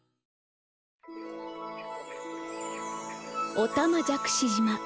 おたまじゃくし島。